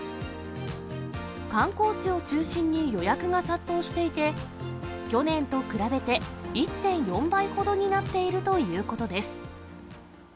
観光地を中心に予約が殺到していて、去年と比べて１．４倍ほどになっているということです。